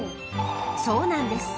［そうなんです］